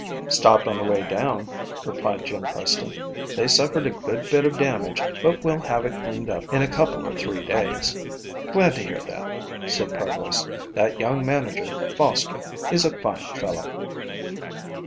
"Stopped on the way down," replied Jim Preston. "They suffered a good bit of damage but will have it cleaned up in a couple or three days." "Glad to hear that," said Provost, "that young manager, Foster, is a fine fellow."